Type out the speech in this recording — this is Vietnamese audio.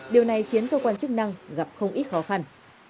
điều này khiến cơ quan chức năng gặp không ít khó khăn